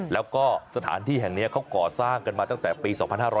แล้วก็สถานที่แห่งนี้เขาก่อสร้างกันมาตั้งแต่ปี๒๕๕๙